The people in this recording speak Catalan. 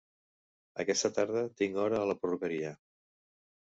Aquesta tarda tinc hora a la perruqueria.